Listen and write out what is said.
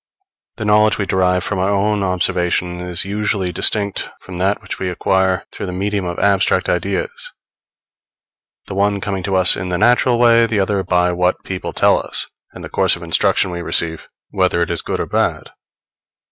The knowledge we derive from our own observation is usually distinct from that which we acquire through the medium of abstract ideas; the one coming to us in the natural way, the other by what people tell us, and the course of instruction we receive, whether it is good or bad.